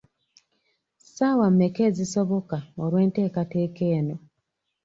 Saawa mmeka ezisoboka olw’enteekateeka eno?